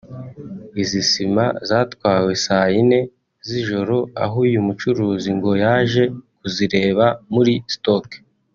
Izi sima zatwawe saa yine z’ijoro aho uyu mucuruzi ngo yaje kuzireba muri stock